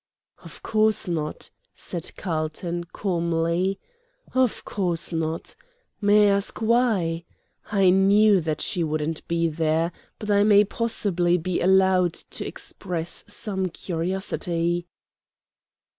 "Of course not," said Carlton, calmly, "of course not. May I ask why? I knew that she wouldn't be there, but I may possibly be allowed to express some curiosity."